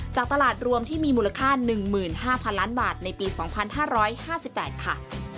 จากตลาดรวมที่มีมูลค่า๑๕๐๐๐ล้านบาทในปี๒๕๕๘ค่ะ